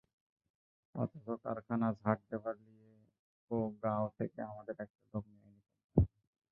অথচ কারখানা ঝাট দেবার লিয়েও গঁাও থেকে হামাদের একটা লোক লেয়নি কোম্পানি।